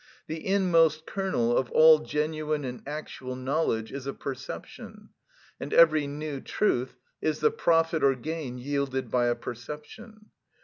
The inmost kernel of all genuine and actual knowledge is a perception; and every new truth is the profit or gain yielded by a perception.